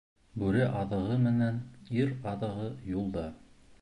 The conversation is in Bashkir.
Бүре аҙығы менән ир аҙығы юлда.